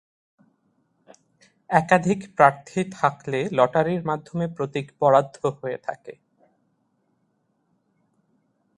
একাধিক প্রার্থী থাকলে লটারির মাধ্যমে প্রতীক বরাদ্দ হয়ে থাকে।